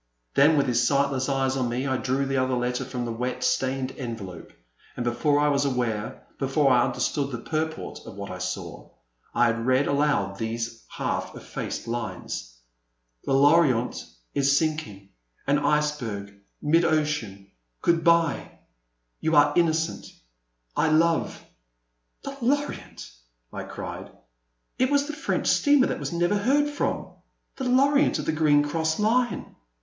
Then, with his sightless eyes on me, I drew the other letter from the wet, stained envelope. And before I was aware — ^before I understood the pur port of what I saw, I had read aloud these half effaced lines :The Lorient is sinking — an iceberg — ^mid ocean — good bye — you are innocent — I love *'*' The LorUnt /'» I cried ;it was the French steamer that was never heard from — the Lorient of the Green Cross I^ine